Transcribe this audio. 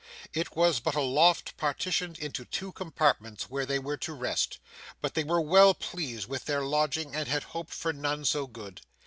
It was but a loft partitioned into two compartments, where they were to rest, but they were well pleased with their lodging and had hoped for none so good.